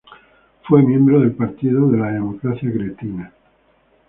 Fue miembro del Partido de la Democracia Cristiana.